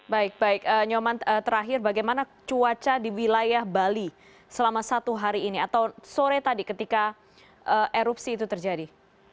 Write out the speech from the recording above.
baik baik nyoman terakhir bagaimana cuaca di wilayah bali selama satu hari ini atau sore tadi ketika erupsi itu terjadi